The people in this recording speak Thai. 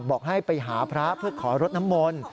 บอกให้ไปหาพระเพื่อขอรดน้ำมนต์